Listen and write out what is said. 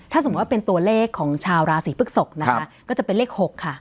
ถ้าสมมุติว่าเป็นตัวเลขของชาวราศีพฤกษกนะคะก็จะเป็นเลข๖ค่ะ